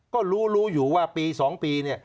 ก็รู้รู้อยู่ว่าปี๒ปีเนี่ย